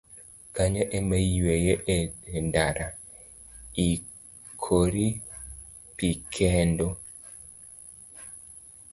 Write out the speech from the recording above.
Kanyo ema iyweyo e ndara, ikiro pi kendo